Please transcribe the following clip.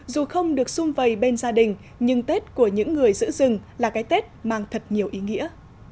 dù không được xung vầy bên gia đình nhưng tết của những người giữ rừng là cái tết mang thật nhiều ý nghĩa